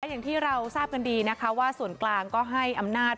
อย่างที่เราทราบกันดีนะคะว่าส่วนกลางก็ให้อำนาจ